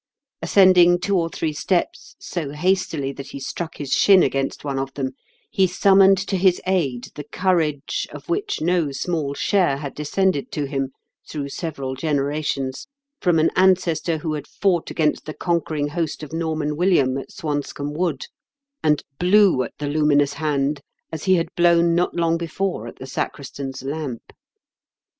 Ascending two or three steps so hastily that he struck his shin against one of them, he summoned to his aid the courage of which no small share had descended to him, through several generations, from an ancestor who had fought against the conquering host of Norman William at Swanscomb Wood, and blew at 102 m KENT WITE 0HAELE8 DI0KEN8. the luminous hand as he had blown not long before at the sacristan's lamp.